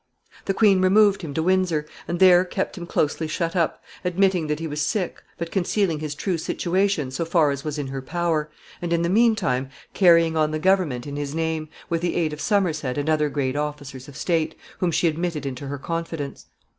The queen removed him to Windsor, and there kept him closely shut up, admitting that he was sick, but concealing his true situation so far as was in her power, and, in the mean time, carrying on the government in his name, with the aid of Somerset and other great officers of state, whom she admitted into her confidence.